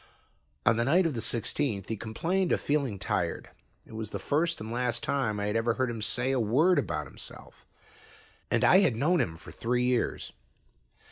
On the night of the sixteenth he complained of feeling tired. It was the first and last time I had ever heard him say a word about himself, and I had known him for three years.